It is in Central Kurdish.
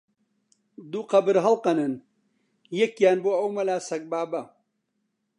-دوو قەبر هەڵقەنن، یەکیان بۆ ئەو مەلا سەگبابە!